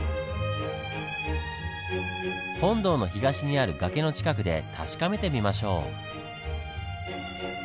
本堂の東にある崖の近くで確かめてみましょう。